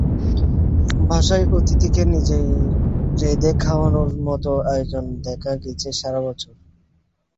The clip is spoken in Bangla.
বাসায় অতিথিকে নিজে রেঁধে খাওয়ানোর মতো আয়োজন দেখা গেছে সারা বছর।